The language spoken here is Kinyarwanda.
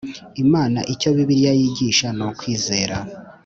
Imana Icyo Bibiliya yigisha nukwizera